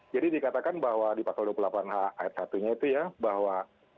jadi dikatakan bahwa di pakul dua puluh delapan h ayat satu nya itu ya bahwa